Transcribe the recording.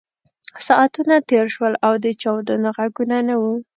ساعتونه تېر شول او د چاودنو غږونه نه وو